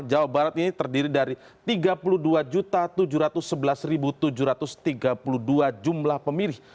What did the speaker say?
jawa barat ini terdiri dari tiga puluh dua tujuh ratus sebelas tujuh ratus tiga puluh dua jumlah pemilih